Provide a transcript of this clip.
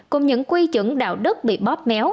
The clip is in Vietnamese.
cùng những quy chững đạo đức bị bóp méo